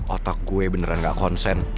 otak kue beneran gak konsen